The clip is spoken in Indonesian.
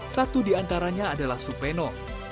satu di antaranya adalah supeno